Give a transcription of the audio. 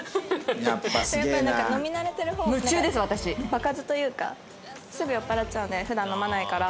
場数というかすぐ酔っ払っちゃうんで普段飲まないから。